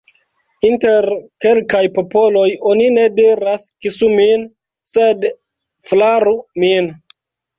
Inter kelkaj popoloj oni ne diras: « kisu min », sed « flaru min ».